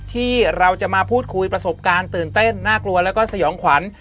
ที่เราจะมาพูดคุยประสบการณ์ตื่นเต้นน่ากลัวแล้วก็สยองขวัญ